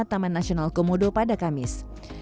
taman nasional komodo pada kamis